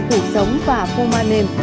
thủ sống và pomade nêm